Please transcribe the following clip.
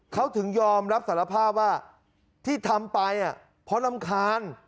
เขาถึงยอมรับสารภาพว่าที่ทำไปเพราะรำคาญ